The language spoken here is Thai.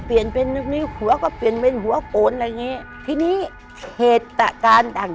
เปลี่ยนเป็นนิ้วหัวก็เปลี่ยนเป็นหัวโปนอะไรอย่างงี้ทีนี้เหตุการณ์ต่าง